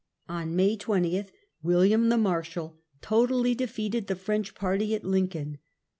On May 20, William the Marshal totally defeated the French party at Lincoln.